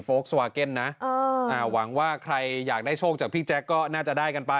สวาเก็นนะหวังว่าใครอยากได้โชคจากพี่แจ๊คก็น่าจะได้กันไป